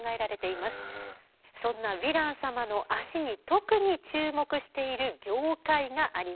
そんなヴィラン様の脚に特に注目している業界があります。